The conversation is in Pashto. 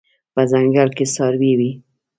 په ځنګل کې څاروي وي